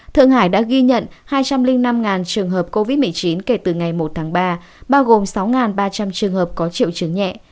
thượng hải đã ghi nhận hai trăm linh năm trường hợp covid một mươi chín kể từ ngày một tháng ba bao gồm sáu ba trăm linh trường hợp có triệu chứng nhẹ